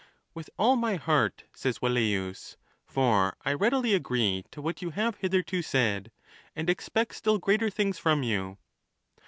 With all my heart, says Velleius, for I readily agree to what you have hitherto said, and expect still greater things from you.